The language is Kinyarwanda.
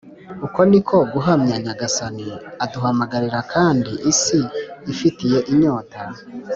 uko ni ko guhamya nyagasani aduhamagarira kandi isi ifitiye inyota